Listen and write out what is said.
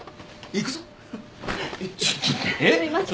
行くぞ。